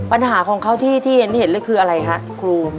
ปัญหาของเขาที่เห็นเลยคืออะไรฮะครู